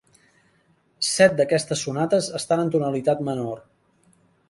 Set d'aquestes sonates estan en tonalitat menor.